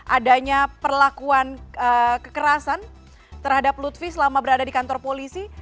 adanya perlakuan kekerasan terhadap lutfi selama berada di kantor polisi